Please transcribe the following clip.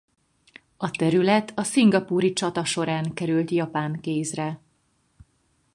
A terület a szingapúri csata során került japán kézre.